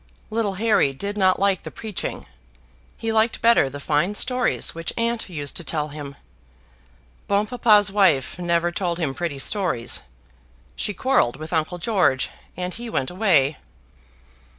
Little Harry did not like the preaching; he liked better the fine stories which aunt used to tell him. Bon Papa's wife never told him pretty stories; she quarrelled with Uncle George, and he went away.